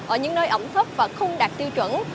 ở những nơi ẩm thấp và không đạt tiêu chuẩn